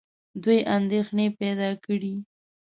دوی اندېښنې پیدا کړې.